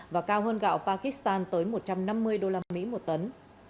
và cao hơn gạo pakistan tới một trăm năm mươi đô la mỹ một tấn